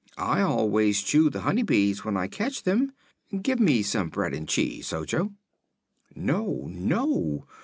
"I always chew the honey bees when I catch them. Give me some bread and cheese, Ojo." "No, no!